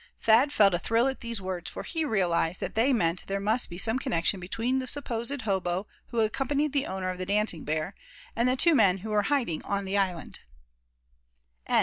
Thad felt a thrill at these words, for he realized that they meant there must be some connection between the supposed hobo who accompanied the owner of the dancing bear, and the two men who were hiding on the island!